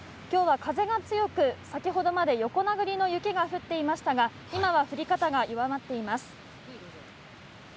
きょうは風が強く、先ほどまで横殴りの雪が降っていましたが、今は降り方が弱まっています。